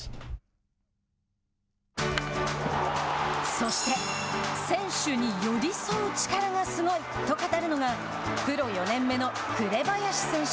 そして、選手に寄り添う力がすごいと語るのがプロ４年目の紅林選手。